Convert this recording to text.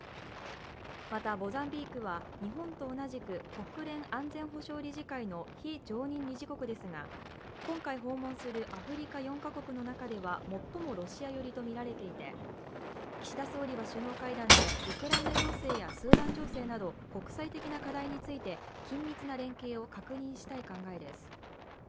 またモザンビークは日本と同じく国連安全保障理事会の非常任理事国ですが、今回訪問するアフリカ４か国の中では最もロシア寄りとみられていて岸田総理は首脳会談でウクライナ情勢やスーダン情勢など国際的な課題について緊密な連携を確認したい考えです。